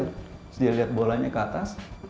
terus dia lihat bolanya ke atas